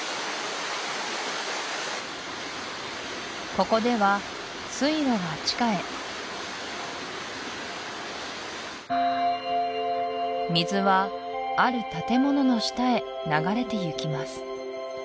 ここでは水路が地下へ水はある建物の下へ流れてゆきます